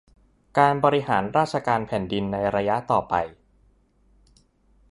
การบริหารราชการแผ่นดินในระยะต่อไป